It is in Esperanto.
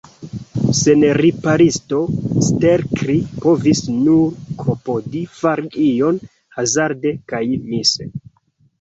Sen riparisto, Stelkri povis nur klopodi fari ion, hazarde kaj mise.